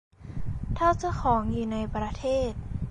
ถ้าเจ้าของอยู่ในประเทศ